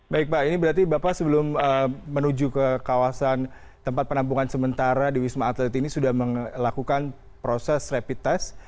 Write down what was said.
baik pak ini berarti bapak sebelum menuju ke kawasan tempat penampungan sementara di wisma atlet ini sudah melakukan proses rapid test